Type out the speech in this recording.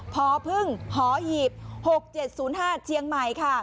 พพึ่งหอหีบ๖๗๐๕เจียงใหม่ค่ะ